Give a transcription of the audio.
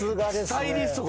スタイリストが。